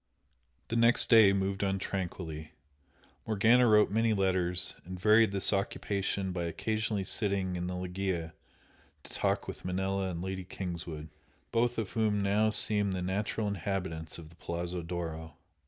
The next day moved on tranquilly. Morgana wrote many letters and varied this occupation by occasionally sitting in the loggia to talk with Manella and Lady Kingswood, both of whom now seemed the natural inhabitants of the Palazzo d'Oro.